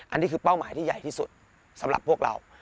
อันนี้คือเป้าหมายที่ใหญ่ที่สุดสำหรับพวกเรา